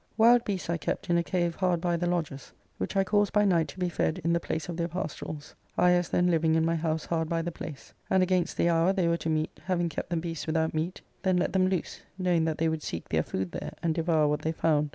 Wild beasts I kept in a cave hard by the lodges, which I caused by night to be fed in the place of their pastorals, I as then living in my house hard by the place ; and against the hour they were to meet, having kept the beasts without meat, then let them loose, knowing that they would seek their food there, and devour what they found.